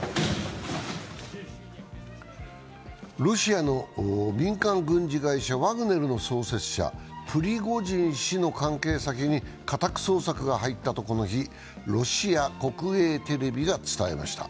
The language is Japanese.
ロシアの民間軍事会社ワグネルの創設者、プリゴジン氏の関係先に家宅捜索が入ったとこの日、ロシア国営テレビが伝えました。